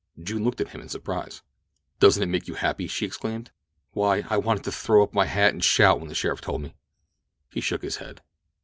June looked at him in surprise. "Doesn't it make you happy?" she exclaimed. "Why, I wanted to throw up my hat and shout when the sheriff told me." He shook his head.